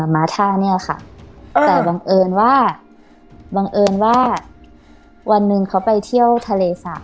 มาท่าเนี่ยค่ะแต่บังเอิญว่าบังเอิญว่าวันหนึ่งเขาไปเที่ยวทะเลสระ